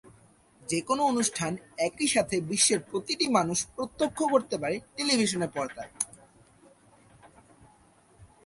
যেকোনো অনুষ্ঠান একই সাথে বিশ্বের প্রতিটি মানুষ প্রত্যক্ষ করতে পারে টেলিভিশনের পর্দায়।